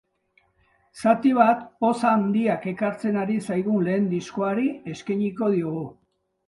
Zati bat poz handiak ekartzen ari zaigun lehen diskoari eskainiko diogu.